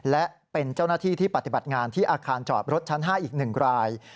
และเป็นเจ้าหน้าที่ที่ปฏิบัติงานที่อาคารจอดรถชั้น๕อีก๑ราย